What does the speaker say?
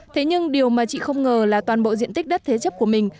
thế nhưng điều mà chị không ngờ là toàn bộ diện tích đất thế chấp của mình